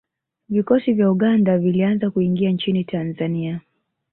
Vikosi vya Uganda vilianza kuingia nchini Tanzania